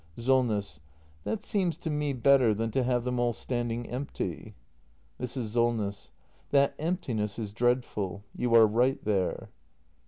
Solness. That seems to me better than to have them all stand ing empty. Mrs. Solness. That emptiness is dreadful; you are right there.